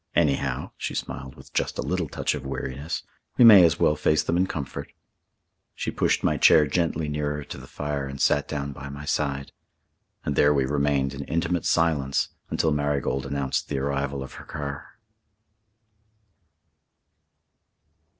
Anyhow " she smiled with just a little touch of weariness, "we may as well face them in comfort." She pushed my chair gently nearer to the fire and sat down by my side. And there we remained in intimate silence until Marigold announced the arrival of her car.